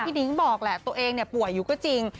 นิ้งบอกแหละตัวเองป่วยอยู่ก็จริง